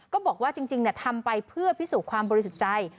ก็บอกว่าจริงทำไปเพื่อพิสูจน์ความบริสุทธิ์ใจ